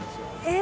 え！